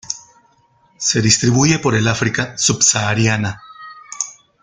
Se distribuye por el África subsahariana.